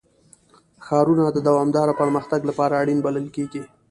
ښارونه د دوامداره پرمختګ لپاره اړین بلل کېږي.